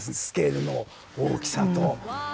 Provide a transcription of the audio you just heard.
スケールの大きさと。